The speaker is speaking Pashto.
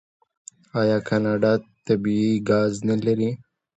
آیا کاناډا طبیعي ګاز نلري؟